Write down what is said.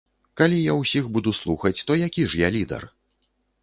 Калі я ўсіх буду слухаць, то які ж я лідар?